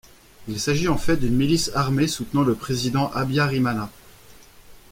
Il s'agit en fait d'une milice armée soutenant le Président Habyarimana.